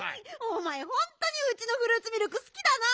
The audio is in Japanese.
おまえホントにうちのフルーツミルクすきだな。